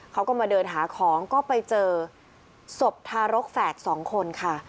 เขาก็มาเดินหาของก็ไปเจอศพทารกแฝดสองคนค่ะ